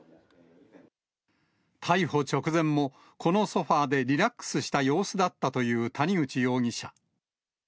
逮捕直前もこのソファーでリラックスした様子だったという谷口容疑者。